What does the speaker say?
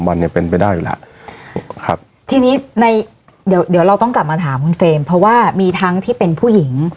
เราต้องกลับมาถามคุณเฟรมเพราะว่ามีทั้งที่เป็นผู้หญิง